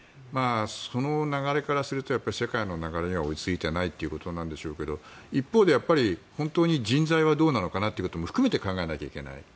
その流れからすると世界の流れには追いついていないということなんでしょうが一方で本当に人材はどうなのかなということも含めて考えなきゃいけない。